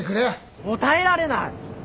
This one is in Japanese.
もう耐えられない！